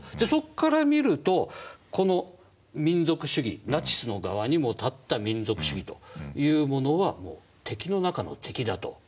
そこから見るとこの民族主義ナチスの側にも立った民族主義というものは敵の中の敵だと。